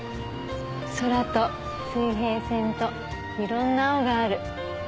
空と水平線といろんな青がある。